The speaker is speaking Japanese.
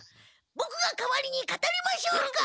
ボクが代わりに語りましょうか？